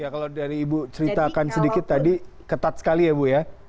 kalau dari ibu ceritakan sedikit tadi ketat sekali ya bu ya